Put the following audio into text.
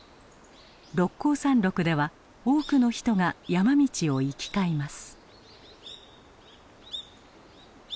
六甲山麓では多くの人が山道を行き交います。